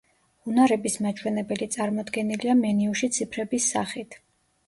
უნარების მაჩვენებელი წარმოდგენილია მენიუში ციფრების სახით.